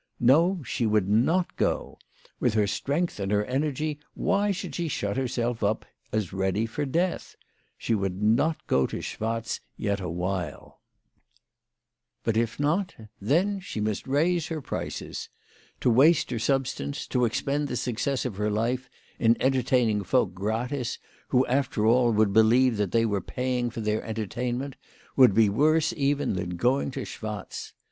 No, she would not go ! With her strength and her energy, why should she shut herself *up as ready for death ? She would not go to Schwatz yet awhile. 86 WHY FRAU FROHMANN EAISED HER PRICES. But if not, then she must raise her prices. To waste her substance, to expend the success of her life in entertaining folk gratis who, after all, would believe that they were paying for their entertainment, would be worse even than going to Schwatz.